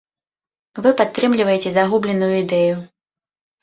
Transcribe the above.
Вы падтрымліваеце загубленую ідэю.